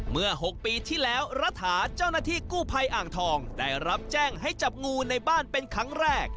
เมื่อ๖ปีที่แล้วรัฐาเจ้าหน้าที่กู้ภัยอ่างทองได้รับแจ้งให้จับงูในบ้านเป็นครั้งแรก